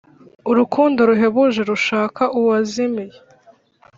Urukundo ruhebuje rushaka uwazimiye